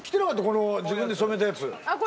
この自分で染めたやつあっ